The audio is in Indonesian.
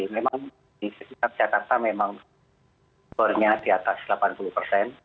memang di sekitar jakarta memang bornya di atas